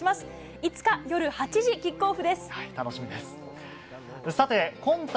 ５日夜８時キックオフです。